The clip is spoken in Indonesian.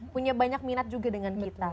punya banyak minat juga dengan kita